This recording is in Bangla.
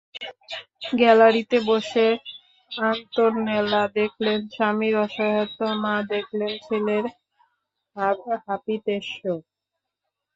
গ্যালারিতে বসে আন্তোনেল্লা দেখলেন স্বামীর অসহায়ত্ব, মা দেখলেন ছেলের হাপিত্যেশ।